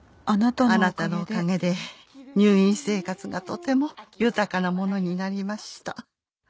「あなたのおかげで入院生活がとても豊かなものになりました」